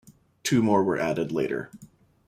Two more were added later.